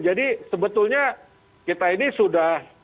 jadi sebetulnya kita ini sudah